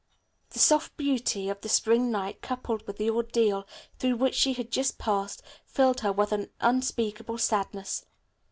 The soft beauty of the spring night coupled with the ordeal through which she had just passed filled her with an unspeakable sadness.